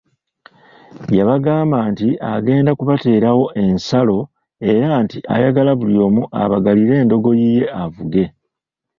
Yabagamba nti agenda kubateerawo ensalo era nti ayagala buli omu abagalire endogoyi ye avuge.